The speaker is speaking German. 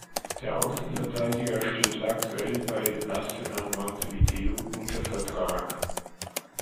Der Außenverteidiger steht aktuell bei Nacional Montevideo unter Vertrag.